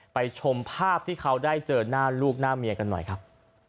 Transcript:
ชมภาพที่เขาได้เจอหน้าลูกหน้าเมียกันหน่อยครับ